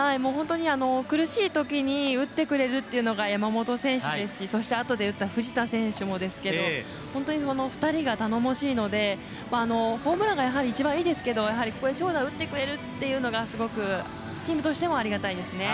苦しいときに打ってくれるというのが山本選手ですし、あとで打った藤田選手もですけど本当に２人が頼もしいのでホームランが、やはり一番いいですけど長打を打ってくれるのがすごくチームとしてもありがたいですね。